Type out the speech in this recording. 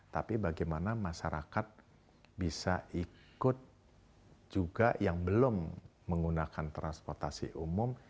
tapi bagaimana masyarakat bisa ikut juga yang belum menggunakan transportasi umum